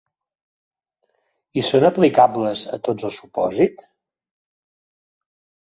I són aplicables a tots els supòsits?